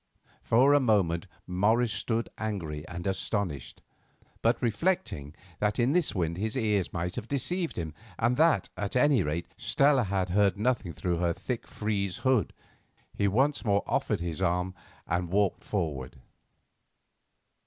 For a moment Morris stood angry and astonished, but reflecting that in this wind his ears might have deceived him, and that, at any rate, Stella had heard nothing through her thick frieze hood, he once more offered his arm and walked forward.